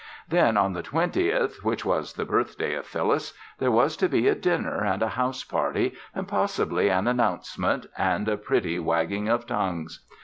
Then, on the twentieth, which was the birthday of Phyllis, there was to be a dinner and a house party and possibly an announcement and a pretty wagging of tongues.